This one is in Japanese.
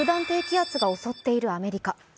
低気圧が襲っているアメリカ。